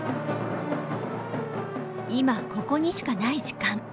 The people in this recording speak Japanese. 今ここにしかない時間。